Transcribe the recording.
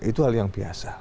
itu hal yang biasa